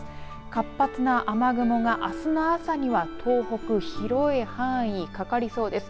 活発な雨雲が、あすの朝には東北、広い範囲かかりそうです。